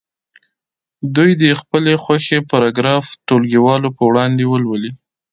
دوی دې د خپلې خوښې پاراګراف ټولګیوالو په وړاندې ولولي.